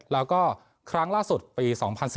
แล้วก็ครั้งล่าสุดปี๒๐๑๙